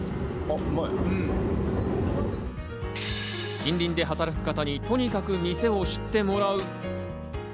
近隣で働く方にとにかく店を知ってもらう。